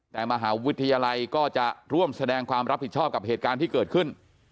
แต่มหาวิทยาลัยก็จะร่วมแสดงความรับผิดชอบกับเหตุการณ์ที่เกิดขึ้น